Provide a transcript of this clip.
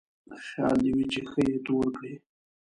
خيال دې وي چې ښه يې تور کړې.